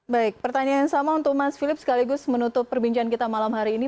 baik pertanyaan yang sama untuk mas philip sekaligus menutup perbincangan kita malam hari ini